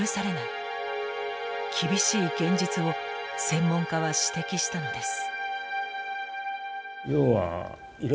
厳しい現実を専門家は指摘したのです。